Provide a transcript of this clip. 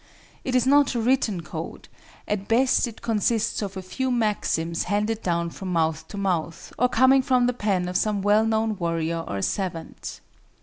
It is not a written code; at best it consists of a few maxims handed down from mouth to mouth or coming from the pen of some well known warrior or savant.